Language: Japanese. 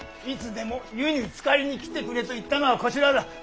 いつでも湯につかりに来てくれと言ったのはこちらだ。